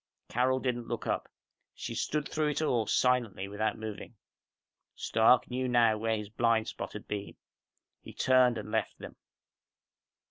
Carol didn't look up. She stood through it all, silently, without moving. Stark knew now where his blind spot had been. He turned and left them.